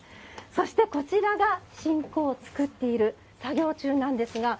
そして、こちらが志んこを作っている作業中なんですが。